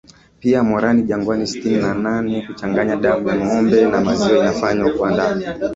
pia moran jangwani Sitini na nane Kuchanganya damu ya ngombe na maziwa inafanywa kuandaa